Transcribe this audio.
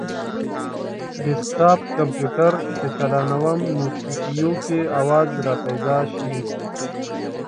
ډیسکټاپ کمپیوټر چې چالانووم نو سي پي یو کې اواز راپیدا شي